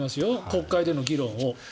国会でも議論を。